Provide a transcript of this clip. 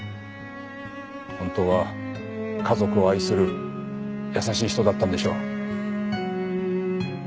本当は家族を愛する優しい人だったんでしょう。